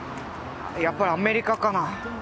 やっぱりアメリカかな。